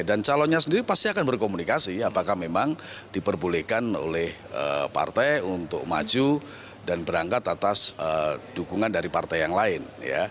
calonnya sendiri pasti akan berkomunikasi apakah memang diperbolehkan oleh partai untuk maju dan berangkat atas dukungan dari partai yang lain